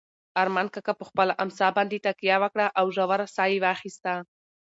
ارمان کاکا په خپله امسا باندې تکیه وکړه او ژوره ساه یې واخیسته.